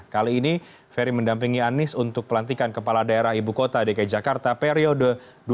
kali ini ferry mendampingi anis untuk pelantikan kepala daerah ibu kota dki jakarta periode dua ribu tujuh belas dua ribu dua puluh dua